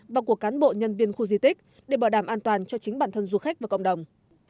và của cán bộ nhân viên khu di tích để bảo đảm an toàn cho chính bản thân du khách và cộng đồng